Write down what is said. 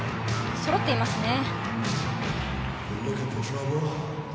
そろっていますね。